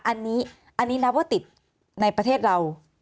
อันนี้นับว่าติดในประเทศเรา